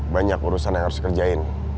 banyak urusan yang harus dikerjain